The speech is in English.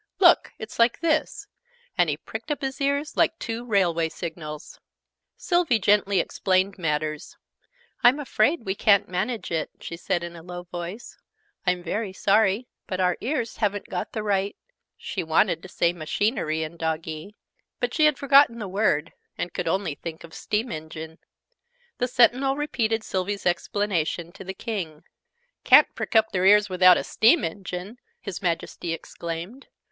"Look! It's like this!" And he pricked up his ears like two railway signals. Sylvie gently explained matters. "I'm afraid we ca'n't manage it," she said in a low voice. "I'm very sorry: but our ears haven't got the right " she wanted to say "machinery" in Doggee: but she had forgotten the word, and could only think of "steam engine." The Sentinel repeated Sylvie's explanation to the King. "Can't prick up their ears without a steam engine!" His Majesty exclaimed.